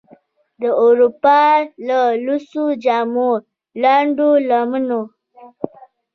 د اروپا له لوڅو جامو، لنډو لمنو،